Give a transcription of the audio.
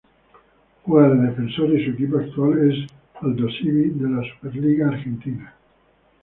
Juega de defensor y su equipo actual es Aldosivi, de la Superliga Argentina.